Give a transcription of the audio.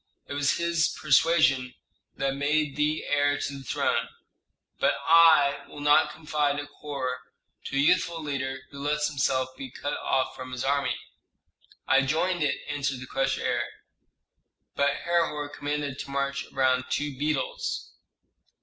It was his persuasion that made thee heir to the throne. But I will not confide a corps to a youthful leader who lets himself be cut off from his army." "I joined it," answered the crushed heir; "but Herhor commanded to march around two beetles."